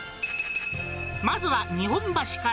まずは日本橋から。